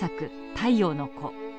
「太陽の子」。